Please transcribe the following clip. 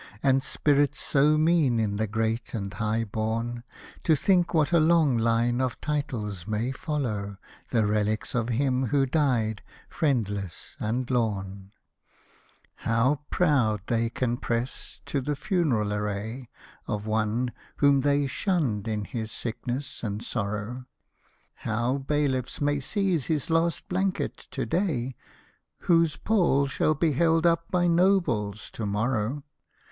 And spirits so mean in the great and high born ; To think what a long line of titles may follow The relics of him who died — friendless and lorn ! How proud they can press to the funeral array Of one, whom they shunned in his sickness and sorrow :— How bailiffs may seize his last blanket, to day, Whose pall shall be held up by nobles to morrow